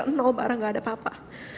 pokoknya benar benar nol barang gak ada apa apa